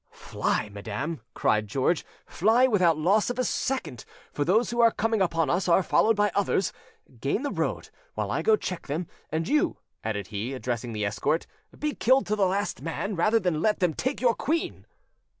"Fly, madam," cried George, "fly without loss of a second; for those who are coming upon us are followed by others. Gain the road, while I go to check them. And you," added he, addressing the escort, "be killed to the last man rather than let them take your queen."